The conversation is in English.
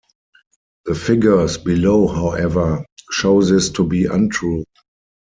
The figures below, however, show this to be untrue.